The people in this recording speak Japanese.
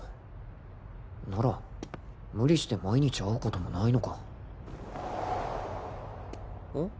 なら無理して毎日会うこともないのかん？